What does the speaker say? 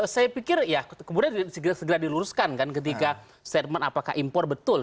saya pikir ya kemudian segera diluruskan kan ketika statement apakah impor betul